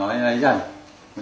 cũng lấy cho chúng nó